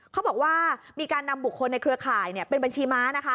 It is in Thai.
เขาบอกว่ามีการนำบุคคลในเครือข่ายเป็นบัญชีม้านะคะ